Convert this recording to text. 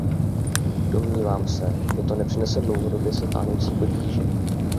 Domnívám se, že to nepřinese dlouhodobě se táhnoucí potíže.